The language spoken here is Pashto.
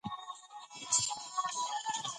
تاسو هم باید بدل شئ.